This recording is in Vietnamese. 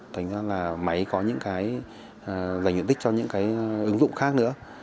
thành ra là máy có những cái dành diện tích cho những cái ứng dụng khác nữa